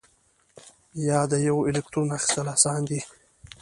یا د یوه الکترون اخیستل آسان دي؟